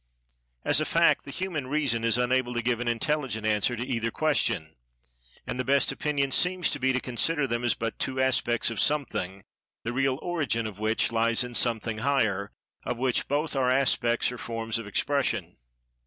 As a fact, the human reason is unable to give an intelligent answer to either question, and the best opinion seems to be to consider them as but two aspects of Something, the real origin of which lies in Something Higher, of which both are aspects or forms of expression.